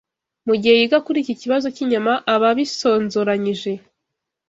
mu gihe yiga kuri iki kibazo cy’inyama Ababisonzoranyije